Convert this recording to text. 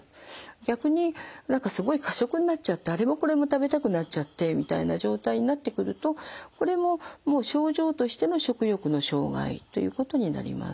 逆に何かすごい過食になっちゃってあれもこれも食べたくなっちゃってみたいな状態になってくるとこれももう症状としての食欲の障害ということになります。